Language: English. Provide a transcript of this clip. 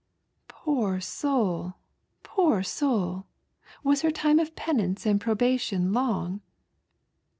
" Poor soul ! poor soul ! Was her time of penance and probation long